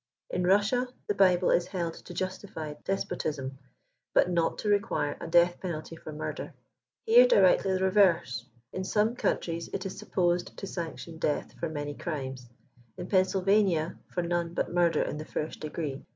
In Russia the Bible is held to justify despotism, but not to require a death penalty for murder. Here, directly the reverse. In some countries it is supposed to sanction death for many crimes ; in Pennsylvania, for none but murder in the first degree.